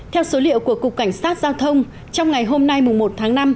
theo số liệu của cục cảnh sát giao thông trong ngày hôm nay một tháng năm